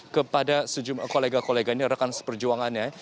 kepada sejumlah kolega koleganya rekan seperjuangannya